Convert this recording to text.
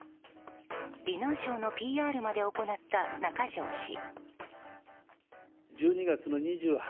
ディナーショーのＰＲまで行った中条氏。